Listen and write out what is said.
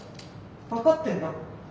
分かってんだろ？